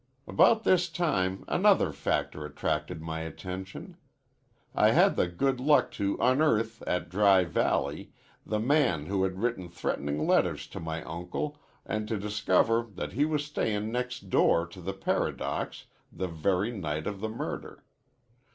"About this time another factor attracted my attention. I had the good luck to unearth at Dry Valley the man who had written threatenin' letters to my uncle an' to discover that he was stayin' next door to the Paradox the very night of the murder.